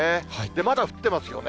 まだ降ってますよね。